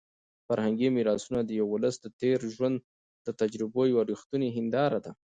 فرهنګي میراثونه د یو ولس د تېر ژوند او تجربو یوه رښتونې هنداره ده.